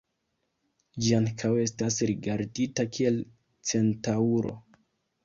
Ĝi ankaŭ estas rigardita kiel centaŭro.